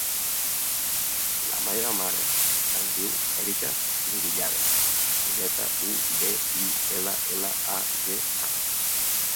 La meva mare es diu Erica Zubillaga: zeta, u, be, i, ela, ela, a, ge, a.